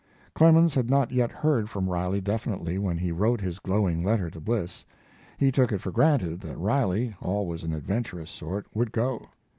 Clemens had not yet heard from Riley definitely when he wrote his glowing letter to Bliss. He took it for granted that Riley, always an adventurous sort, would go.